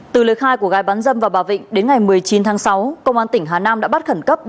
từ lời khai của gái bán dâm và bà vịnh đến ngày một mươi chín tháng sáu công an tỉnh hà nam đã bắt khẩn cấp